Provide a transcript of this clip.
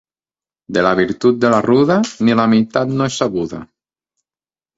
De la virtut de la ruda, ni la meitat no és sabuda.